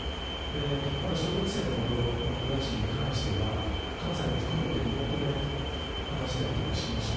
まだ小学生の子たちに関しては、関西も含めて、リモートで話したりとかしました。